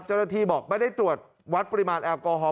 เจ้าหน้าที่บอกไม่ได้ตรวจวัดปริมาณแอลกอฮอล